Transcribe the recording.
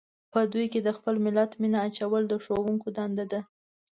په دوی کې د خپل ملت مینه اچول د ښوونکو دنده ده.